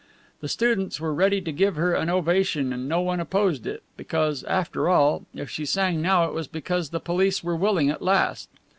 The students were ready to give her an ovation, and no one opposed it, because, after all, if she sang now it was because the police were willing at last.